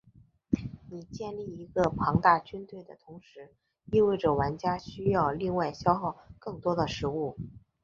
你建立一个庞大军队的同时意味着玩家需要另外消耗更多的食物。